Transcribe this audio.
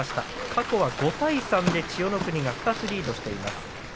過去は５対３で千代の国が２つリードしています。